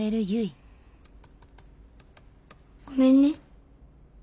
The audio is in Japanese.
ごめんね。